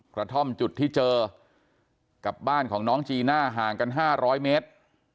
กระท่อมจุดที่เจอกับบ้านของน้องจีน่าห่างกัน๕๐๐เมตร